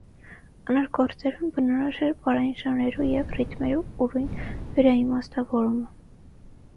Անոր գործերուն բնորոշ է պարային ժանրերու եւ ռիթմերու ուրոյն վերաիմաստաւորումը։